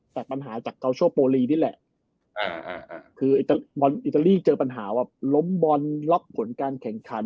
แต่ปัญหาจากเกาโชโปรลีนี่แหละคือบอลอิตาลีเจอปัญหาว่าล้มบอลล็อกผลการแข่งขัน